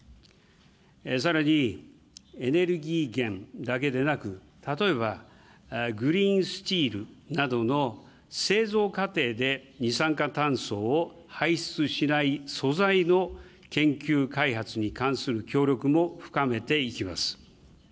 さらにエネルギー源だけでなく、例えばグリーンスチールなどの製造過程で二酸化炭素を排出しない素材の研究・開発に関する協力も深めていきます。